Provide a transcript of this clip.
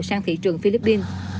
sang thị trường philippines